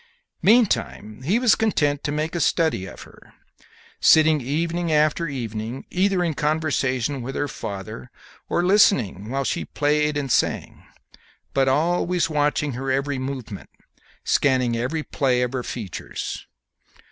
Meantime, he was content to make a study of her, sitting evening after evening either in conversation with her father or listening while she played and sang, but always watching her every movement, scanning every play of her features.